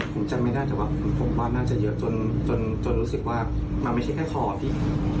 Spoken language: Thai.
ผมจำไม่ได้แต่ว่าผมว่าน่าจะเยอะจนรู้สึกว่ามันไม่ใช่แค่คอพี่